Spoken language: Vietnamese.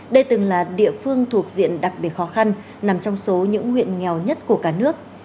đây từng là địa phương thuộc diện đặc biệt khó khăn nằm trong số những huyện nghèo nhất của cả nước